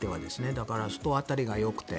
だから、人当たりがよくて。